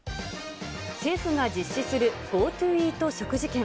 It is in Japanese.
政府が実施するＧｏＴｏイート食事券。